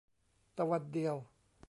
ตะวันเดียว